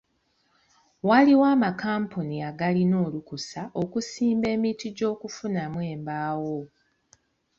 Waliwo amakampuni agalina olukusa okusimba emiti gy'okufunamu embaawo.